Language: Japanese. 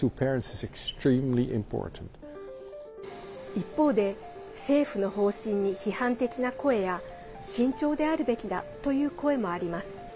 一方で、政府の方針に批判的な声や慎重であるべきだという声もあります。